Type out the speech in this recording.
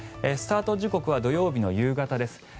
スタート時刻は土曜日の夕方です。